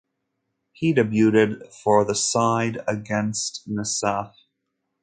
He debuted for the side against Nasaf.